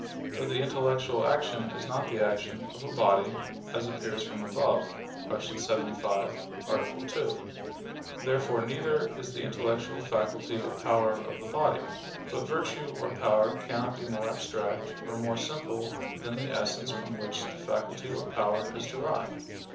But the intellectual action is not the action of a body, as appears from above (Q. 75, A. 2). Therefore neither is the intellectual faculty a power of the body. But virtue or power cannot be more abstract or more simple than the essence from which the faculty or power is derived.